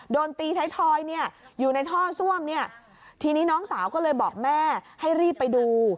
โดนตีไทยทอยเนี่ยอยู่ในท่อซ่วมเนี่ยทีนี้น้องสาวก็เลยบอกแม่ให้รีบไปดู